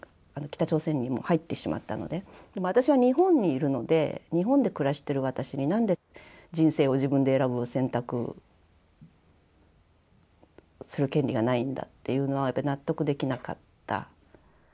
北朝鮮にもう入ってしまったのででも私は日本にいるので日本で暮らしてる私に何で人生を自分で選ぶ選択する権利がないんだっていうのは納得できなかった。